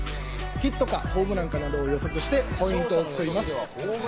ヒットかホームランかなどを予測して、ポイントを競います。